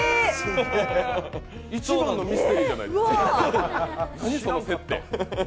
一番のミステリーじゃないですか何その設定。